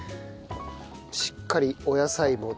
しっかりお野菜もとれて。